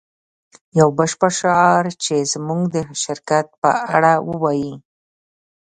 یو بشپړ شعار چې زموږ د شرکت په اړه ووایی